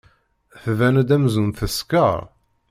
Tban-d amzun teskeṛ.